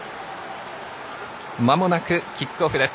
まもなくキックオフ。